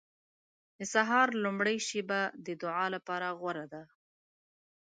• د سهار لومړۍ شېبه د دعا لپاره غوره ده.